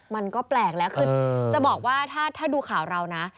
มันก็แปลกแล้วคือจะบอกว่าถ้าดูข่าวเรานะ